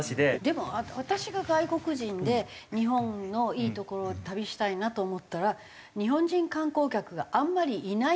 でも私が外国人で日本のいい所を旅したいなと思ったら日本人観光客があんまりいない所。